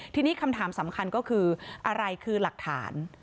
ทีนี้คำถามสำคัญก็คืออะไรคือหลักฐาน